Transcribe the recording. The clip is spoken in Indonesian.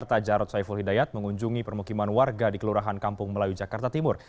kota jarod saiful hidayat mengunjungi permukiman warga di kelurahan kampung melayu jakarta timur